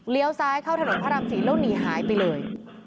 เลี้ยวซ้ายเข้าถนนพระรามสี่แล้วหนีหายไปเลย